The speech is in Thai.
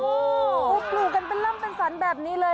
โอ้โหปลูกกันเป็นล่ำเป็นสรรแบบนี้เลย